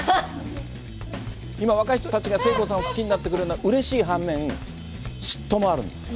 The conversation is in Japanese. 今若い人たちが聖子さんを好きになってくれるのはうれしい反面、嫉妬もあるんです。